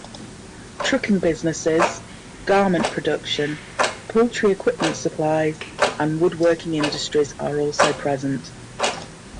Trucking businesses, garment production, poultry equipment supplies, and wood-working industries are also present.